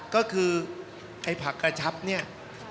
ก็คือไอ้ผักกระชับเนี่ย